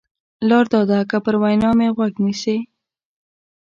لار دا ده که پر وینا مې غوږ نیسې.